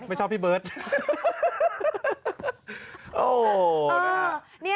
ไม่ชอบพี่เบิร์ต